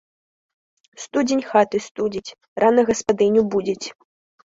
Студзень хаты студзіць, рана гаспадыню будзіць